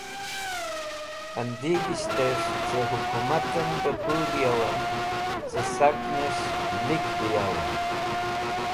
Andegishtẽs̃h cẽ hũkmatẽn bẽ pũl yawẽn cẽ saknẽs̃h lik bẽ yawẽn.